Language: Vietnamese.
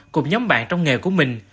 cùng nhóm bạn trong nghề của mình